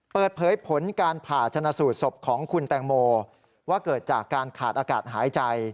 เปิดเผยผลการผ่าชนะสูตรศพของคุณแตงโมว่าเกิดจากการขาดอากาศหายใจ